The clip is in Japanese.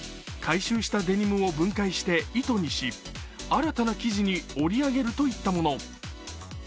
回収したデニムを分解して糸にし、新たな生地に織り上げるといったもの。